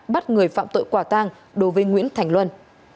bắt người phạm tội quả tang đối với nguyễn thành luân